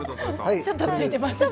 ちょっとついていますかね。